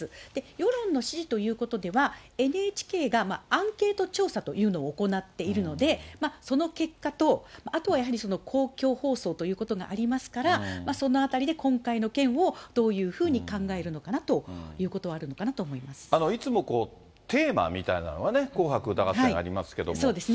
世論の支持ということでは、ＮＨＫがアンケート調査というのを行っているので、その結果とあとはやはり、公共放送ということがありますから、そのあたりで今回の件をどういうふうに考えるのかなということはいつもテーマみたいなのがね、紅白歌合戦ありますけれども。